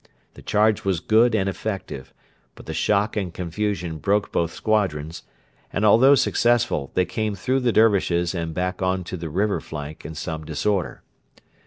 The charge was good and effective, but the shock and confusion broke both squadrons, and, although successful, they came through the Dervishes and back on to the river flank in some disorder.